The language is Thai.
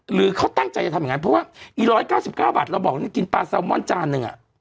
หรือเขาตั้งใจจะทำอย่างนั้นเพราะว่าอี๑๙๙บาทเราบอกนี่กินปลาแซลมอนจานหนึ่ง